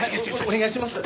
お願いします。